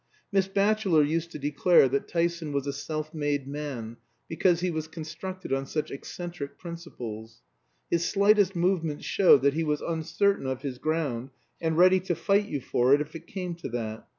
Miss Batchelor used to declare that Tyson was a self made man, because he was constructed on such eccentric principles. His slightest movements showed that he was uncertain of his ground, and ready to fight you for it, if it came to that.